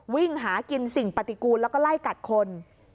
วิ่งหากินสิ่งปฏิกูลแล้วก็ไล่กัดคน